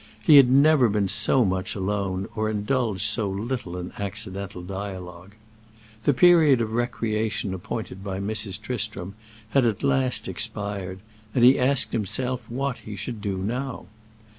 He had never been so much alone or indulged so little in accidental dialogue. The period of recreation appointed by Mrs. Tristram had at last expired, and he asked himself what he should do now.